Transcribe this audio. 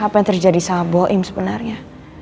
apa yang terjadi sama boim sebenarnya